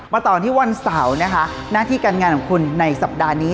ต่อที่วันเสาร์นะคะหน้าที่การงานของคุณในสัปดาห์นี้